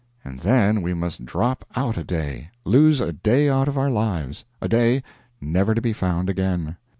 And then we must drop out a day lose a day out of our lives, a day never to be found again.